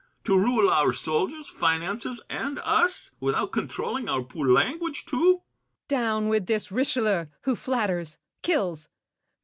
To rule our soldiers, finances, and us, Without controlling our poor language too?